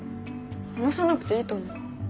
話さなくていいと思う。